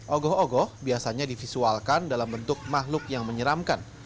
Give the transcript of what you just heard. ogoh ogoh biasanya divisualkan dalam bentuk makhluk yang menyeramkan